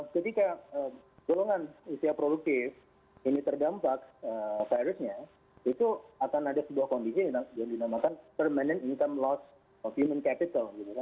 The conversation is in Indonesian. ketika golongan usia produktif ini terdampak virusnya itu akan ada sebuah kondisi yang dinamakan permanent income loss human capital